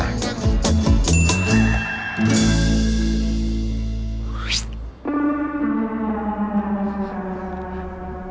jack cilik tonga